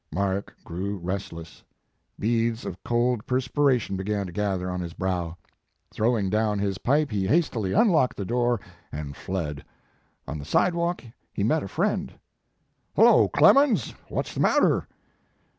Mark grew restless. Beads of cold perspiration began to gather on his brow. Throwing down his pipe, he hastily unlocked the door, and fled. On the sidewalk he met a friend. "Hello, Clemens, what s the matter?"